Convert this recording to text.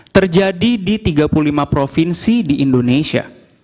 terjadi di tiga puluh lima provinsi di indonesia